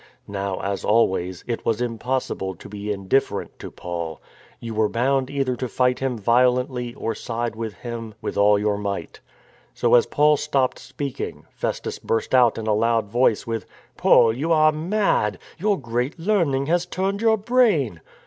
Now, as always, it was im possible to be indifferent to Paul. You were bound either to fight him violently or side with him with 316 STORM AND STRESS all your might. So, as Paul stopped speaking, Festus burst out in a loud voice with: " Paul, you are mad; your great learning has turned your brain."